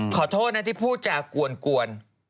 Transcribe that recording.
ขอโทษนะที่พูดจากวน